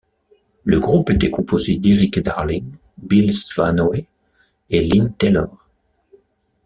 Le groupe était composé d'Erik Darling, Bill Svanoe et Lynne Taylor.